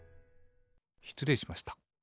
しつれいしました。